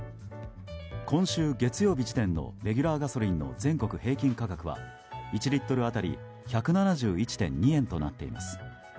今週月曜日時点のレギュラーガソリンの全国平均価格は１リットル当たり１７１．２円となっています。